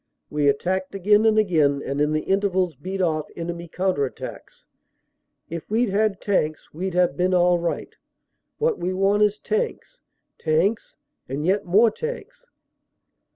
We attacked again and again and in the intervals beat off enemy counter attacks. If we d had tanks we d have been all right. What we want is tanks, tanks and yet more tanks."